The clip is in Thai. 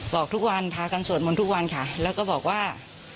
บอกทุกวันพากันสวดมนต์ทุกวันค่ะแล้วก็บอกว่า